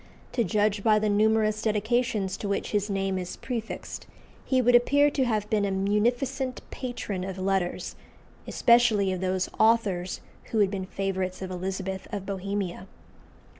To judge by the numerous dedications to which his name is prefixed, he would appear to have been a munificent patron of letters, especially of those authors who had been favourites of Elizabeth of Bohemia.